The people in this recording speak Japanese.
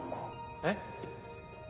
えっ？